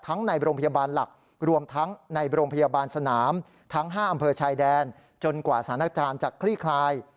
ในโรงพยาบาลหลักรวมทั้งในโรงพยาบาลสนามทั้ง๕อำเภอชายแดนจนกว่าสถานการณ์จะคลี่คลาย